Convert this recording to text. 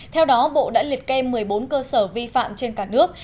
theo đó bộ đã liệt kê một mươi bốn cơ sở vi phạm trên cả nước